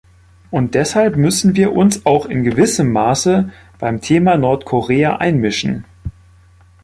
Und deshalb müssen wir uns auch in gewissem Maße beim Thema Nordkorea einmischen.